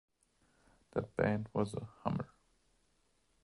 That band was a "hummer"!